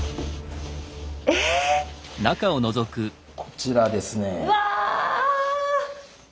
え⁉こちらですねえ。